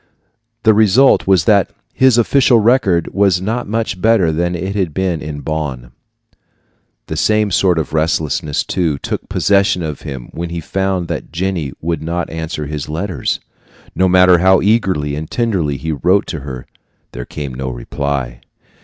The result was that his official record was not much better than it had been at Bonn. The same sort of restlessness, too, took possession of him when he found that Jenny would not answer his letters. No matter how eagerly and tenderly he wrote to her, there came no reply.